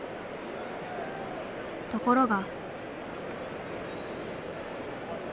ところが。